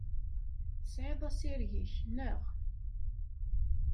Tesɛiḍ assireg-ik, naɣ?